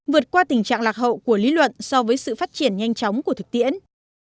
vượt qua tình trạng lạc hậu của lý luận so với sự phát triển nhanh chóng của thực tiễn